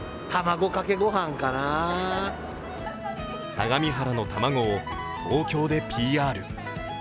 相模原のたまごを東京でＰＲ。